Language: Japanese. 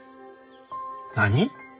何！？